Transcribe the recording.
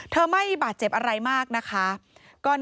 เธอไม่บาดเจ็บอะไรมาก